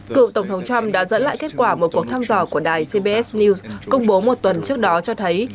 cựu tổng thống trump đã dẫn lại kết quả một cuộc thăm dò của đài cbs news công bố một tuần trước đó cho thấy